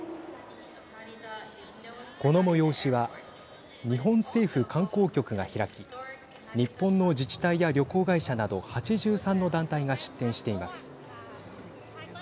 この催しは日本政府観光局が開き日本の自治体や旅行会社など８３の団体が出展しています。